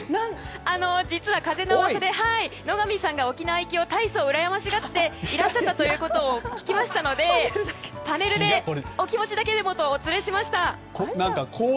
実は風の噂で野上さんが沖縄行きをたいそう、うらやましがっていらっしゃったと聞きましたのでパネルでお気持ちだけでもとお連れしました。